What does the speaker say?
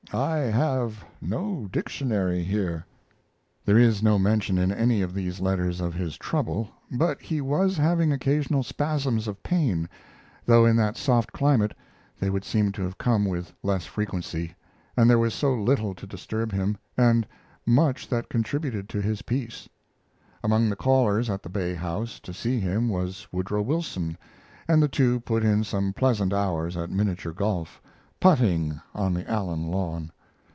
I have no dictionary here. There is no mention in any of these letters of his trouble; but he was having occasional spasms of pain, though in that soft climate they would seem to have come with less frequency, and there was so little to disturb him, and much that contributed to his peace. Among the callers at the Bay House to see him was Woodrow Wilson, and the two put in some pleasant hours at miniature golf, "putting" on the Allen lawn.